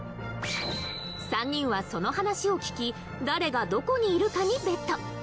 ３人はその話を聞き誰がどこにいるかに ＢＥＴ